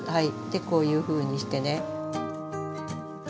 でこういうふうにしてね。